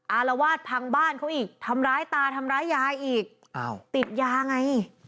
อารวาสพังบ้านเขาอีกทำร้ายตาทำร้ายยายอีกอ้าวติดยาไง